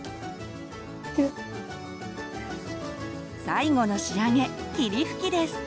最後の仕上げ霧吹きです。